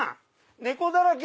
猫だらけ。